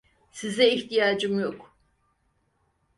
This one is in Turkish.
Size ihtiyacım yok.